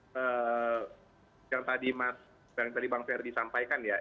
seperti yang tadi bang ferdi sampaikan ya